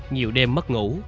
nhiều đêm mất ngủ